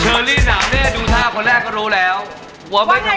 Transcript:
เชอรี่หนาเม่ดูท่าพอแรกก็รู้แล้วว่าไม่ธรรมดา